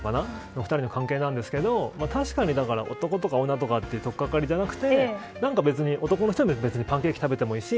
そんな２人の関係なんですけど確かに男とか女とかいうとっかかりじゃなくて男の人だってパンケーキ食べたっていいし